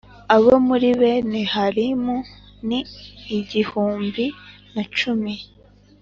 Abo muri bene Harimu ni igihumbi na cumi